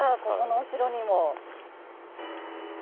ここのお城にも。